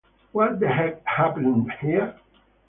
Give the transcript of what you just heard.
What the heck happened here?